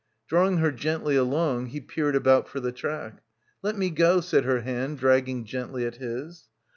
Drawing her gently along, he peered about for the track. "Let me go," said her hand dragging gently at his.